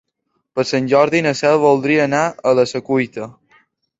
Per Sant Jordi na Cel voldria anar a la Secuita.